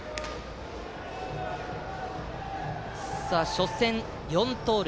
初戦は４盗塁。